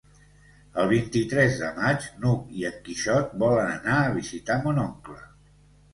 El vint-i-tres de maig n'Hug i en Quixot volen anar a visitar mon oncle.